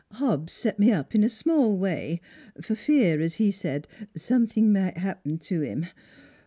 Hobbs set me up in a small way, for fear, as he said, something might 'appen to him.